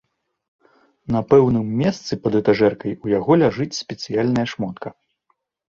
На пэўным месцы пад этажэркай у яго ляжыць спецыяльная шмотка.